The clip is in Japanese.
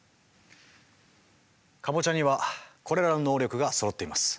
カボチャにはこれらの能力がそろっています。